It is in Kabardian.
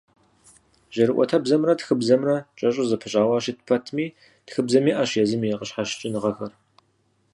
Жьэрыӏуэтэбзэмрэ тхыбзэмрэ кӏэщӏу зэпыщӏауэ щыт пэтми, тхыбзэм иӏэщ езым и къыщхьэщыкӏыныгъэхэр.